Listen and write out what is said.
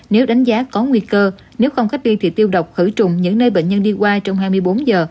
nếu đánh giá có nguy cơ nếu không cách ly thì tiêu độc khử trùng những nơi bệnh nhân đi qua trong hai mươi bốn giờ